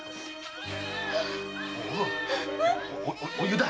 お湯だ！